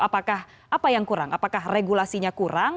apakah apa yang kurang apakah regulasinya kurang